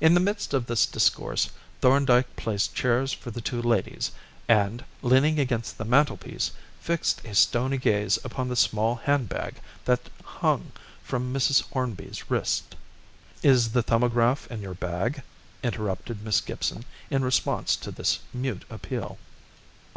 In the midst of this discourse Thorndyke placed chairs for the two ladies, and, leaning against the mantelpiece, fixed a stony gaze upon the small handbag that hung from Mrs. Hornby's wrist. "Is the 'Thumbograph' in your bag?" interrupted Miss Gibson, in response to this mute appeal.